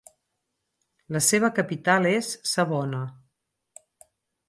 La seva capital és Savona.